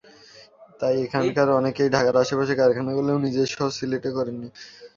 তাই এখানকার অনেকেই ঢাকার আশপাশে কারখানা করলেও নিজের শহর সিলেটে করেননি।